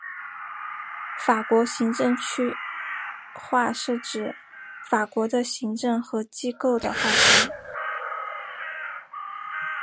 法国行政区划是指法国的行政和机构的划分。